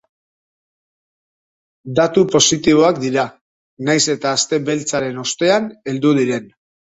Datu positiboak dira, nahiz eta aste beltzaren ostean heldu diren.